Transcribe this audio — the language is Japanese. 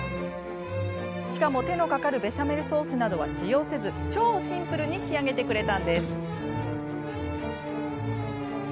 しかも、手のかかるベシャメルソースなどは使用せず超シンプルに仕上げてくれたんです。